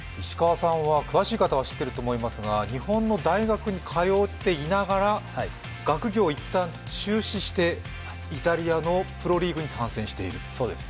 詳しい方は知っていると思いますが日本の大学に通っていながら学業を一旦中止して、イタリアのプロリーグに参戦している。